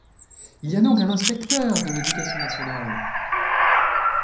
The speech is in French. Il y a donc un inspecteur de l'Éducation nationale.